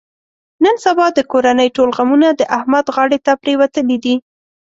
نن سبا د کورنۍ ټول غمونه د احمد غاړې ته پرېوتلي دي.